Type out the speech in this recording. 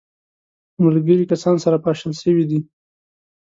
ملګري کسان سره پاشل سوي دي.